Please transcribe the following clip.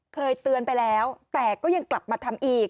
เคยเตือนไปแล้วแต่ก็ยังกลับมาทำอีก